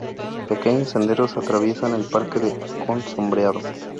Pequeños senderos atraviesan el parque con sombreado.